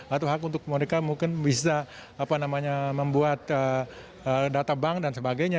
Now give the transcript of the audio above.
atau hak untuk mereka mungkin bisa membuat data bank dan sebagainya